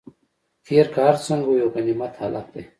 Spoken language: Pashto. تېر که هر څنګه و یو غنیمت حالت دی.